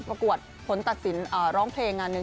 ประกวดผลตัดสินร้องเพลงงานหนึ่ง